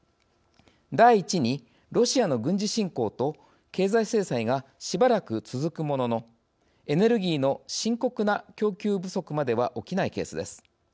第１に、ロシアの軍事侵攻と経済制裁がしばらく続くもののエネルギーの深刻な供給不足までは起きないケースです。